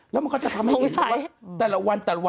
น้ำก็ขึ้นมาของบ้านหนู